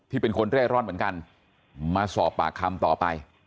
เป็นคนเร่ร่อนเหมือนกันมาสอบปากคำต่อไป